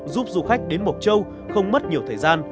giúp du khách đến mộc châu không mất nhiều thời gian